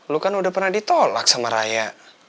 lu kan udah pernah ditolak sama raya